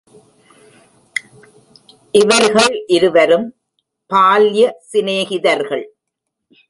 இவர்கள் இருவரும் பால்ய சினேகிதர்கள்.